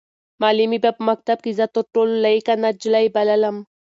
معلمې به په مکتب کې زه تر ټولو لایقه نجلۍ بللم.